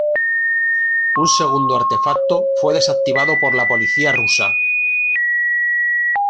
Un segundo artefacto fue desactivado por la policía rusa.